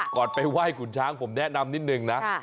ไปไหว้ขุนช้างผมแนะนำนิดนึงนะ